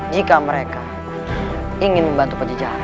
jika mereka ingin membantu penjejahan